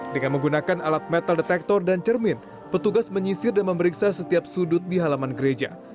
dengan menggunakan alat metal detektor dan cermin petugas menyisir dan memeriksa setiap sudut di halaman gereja